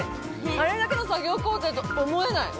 あれだけの作業工程とは思えない。